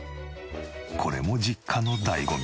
これも実家の醍醐味。